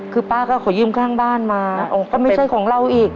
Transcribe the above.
คือป้าก็ขอยืมข้างบ้านมาก็ไม่ใช่ของเราอีก